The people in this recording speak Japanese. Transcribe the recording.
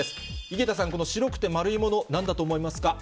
井桁さん、この白くて丸いもの、なんだと思いますか？